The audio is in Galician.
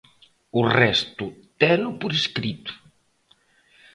O resto teno por escrito.